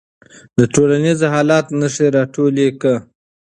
د ټولنیز حالت نښې راټولې کړه.